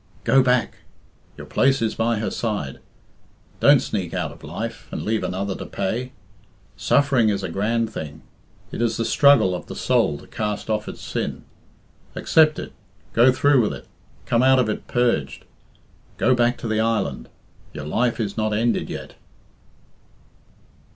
"Go back! your place is by her side. Don't sneak out of life, and leave another to pay. Suffering is a grand thing. It is the struggle of the soul to cast off its sin. Accept it, go through with it, come out of it purged. Go back to the island. Your life is not ended yet."